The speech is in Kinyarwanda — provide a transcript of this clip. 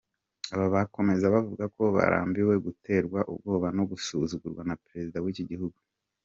Aba bakomeza bavuga ko barambiwe guterwa ubwoba no gusuzugurwa na perezida w’iki gihugu.